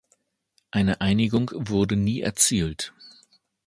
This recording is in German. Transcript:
Eine Einigung wurde nie erzielt.